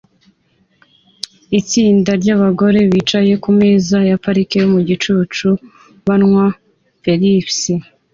Itsinda ryabagore bicaye kumeza ya parike mugicucu banywa pepsi